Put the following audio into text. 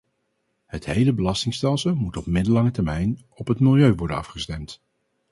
Het hele belastingstelsel moet op middellange termijn op het milieu worden afgestemd.